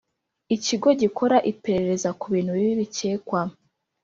Ikigo gikora iperereza ku bintu bibi bikekwa